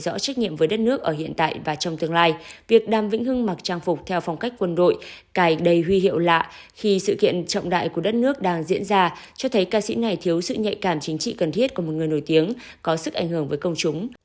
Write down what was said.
trong đó trách nhiệm với đất nước ở hiện tại và trong tương lai việc đàm vĩnh hưng mặc trang phục theo phong cách quân đội cài đầy huy hiệu lạ khi sự kiện trọng đại của đất nước đang diễn ra cho thấy ca sĩ này thiếu sự nhạy cảm chính trị cần thiết của một người nổi tiếng có sức ảnh hưởng với công chúng